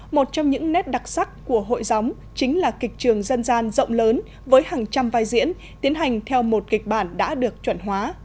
một trong những nét đặc sắc của hội gióng chính là kịch trường dân gian rộng lớn với hàng trăm vai diễn tiến hành theo một kịch bản đã được chuẩn hóa